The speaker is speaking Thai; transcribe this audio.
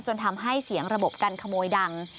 จนทำให้เสียงระบบการขโมยดัง